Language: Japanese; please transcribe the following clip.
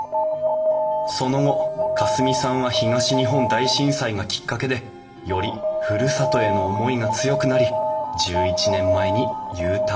その後夏澄さんは東日本大震災がきっかけでよりふるさとへの思いが強くなり１１年前にＵターン。